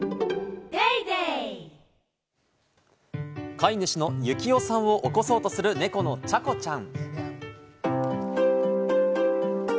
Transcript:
飼い主の幸男さんを起こそうとする猫の茶子ちゃん。